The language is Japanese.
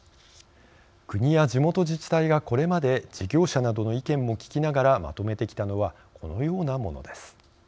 国や地元自治体が、これまで事業者などの意見も聞きながらまとめてきたのはこのようなものです。